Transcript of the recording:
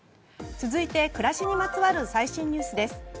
続いて暮らしにまつわる最新ニュースです。